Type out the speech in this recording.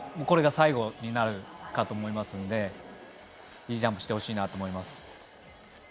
これが最後になるかと思いますのでいいジャンプしてほしいなと思います。